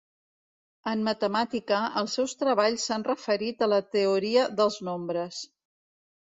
En matemàtica, els seus treballs s'han referit a la teoria de nombres.